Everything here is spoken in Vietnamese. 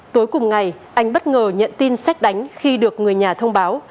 tối cùng ngày anh bất ngờ nhận tin xét đánh khi được người nhà thông báo